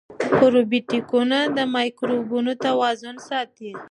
پروبیوتیکونه د مایکروبونو توازن ساتي.